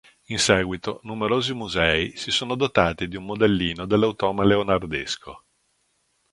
In seguito numerosi musei si sono dotati di un modellino dell'automa leonardesco.